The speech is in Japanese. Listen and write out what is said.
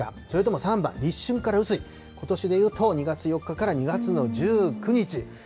それとも３番、立春から雨水、ことしでいうと２月４日から２月の１９日。